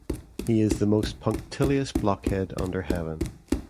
He is the most punctilious blockhead under heaven.